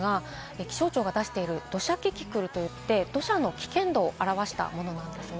気象庁が出している土砂キキクルというので、土砂の危険度を表したものなんです。